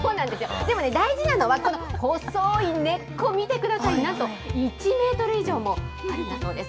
でも大事なのは細い根っこ、見てください、なんと１メートル以上もあるんだそうです。